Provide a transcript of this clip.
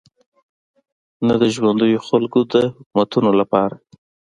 نه د ژونديو خلکو د حکومتونو لپاره.